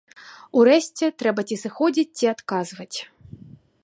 Урэшце трэба ці сыходзіць, ці адказваць.